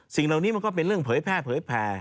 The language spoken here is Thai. สิ่งเหล่านี้มันก็เป็นเรื่องเผยแพร่เผยแผ่